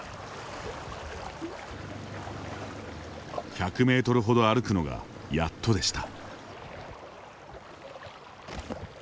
１００メートルほど歩くのがやっとでした。